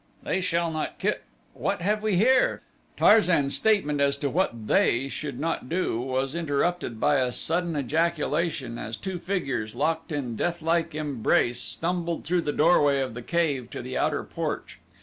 "They shall not ki What have we here?" Tarzan's statement as to what "they" should not do was interrupted by a sudden ejaculation as two figures, locked in deathlike embrace, stumbled through the doorway of the cave to the outer porch.